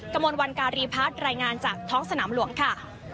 กระมวลวันการีพัฒน์รายงานจากท้องสนามหลวงค่ะ